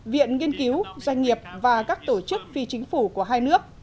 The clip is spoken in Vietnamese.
viện nghiên cứu doanh nghiệp và các tổ chức phi chính phủ của hai nước